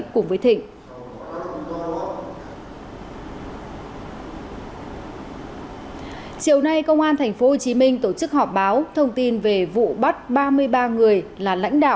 cùng ở tỉnh sơn la đang tàng lò thị hoa và con trai là quảng văn anh